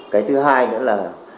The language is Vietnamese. cái thứ hai nữa là